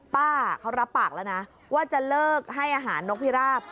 ป้าเขารับปากแล้วนะว่าจะเลิกให้อาหารนกพิราบ